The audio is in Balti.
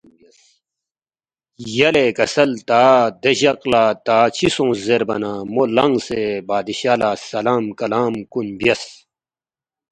یلے کسل تا دے جق لہ تا چِہ سونگس زیربا نہ مو لنگسے بادشاہ لہ سلام کلام کُن بیاس